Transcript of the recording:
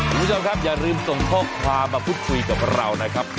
คุณผู้ชมครับอย่าลืมส่งข้อความมาพูดคุยกับเรานะครับ